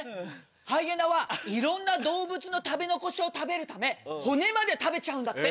ハイエナはいろんな動物の食べ残しを食べるため骨まで食べちゃうんだって。